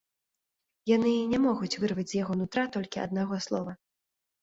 Яны не могуць вырваць з яго нутра толькі аднаго слова.